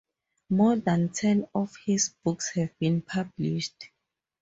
More than ten of his books have been published.